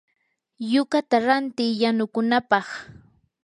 yukata ranti yanukunapaq.